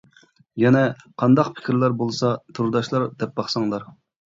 يەنە قانداق پىكىرلەر بولسا تورداشلار دەپ باقساڭلار.